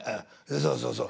そうそうそう。